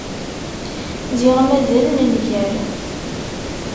Ziɣ mazal nenger.